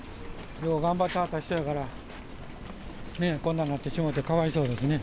よう頑張ってはった人やから、こんなんなってしまって、かわいそうですね。